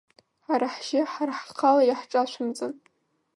Ҳара ҳжьы ҳара ҳхала иаҳҿашәымҵан.